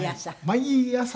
毎朝。